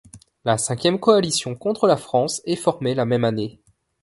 La Cinquième Coalition contre la France est formée la même année.